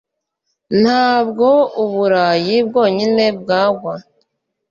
Ntabwo Uburayi bwonyine bwa gwa